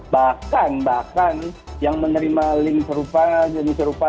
bahkan bahkan yang menerima link serupa jenis serupa